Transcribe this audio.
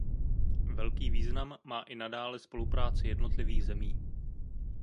Velký význam má i nadále spolupráce jednotlivých zemí.